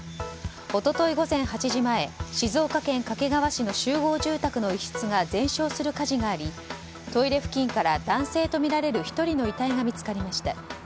一昨日午前８時前静岡県掛川市の集合住宅の一室が全焼する火事がありトイレ付近から男性とみられる１人の遺体が見つかりました。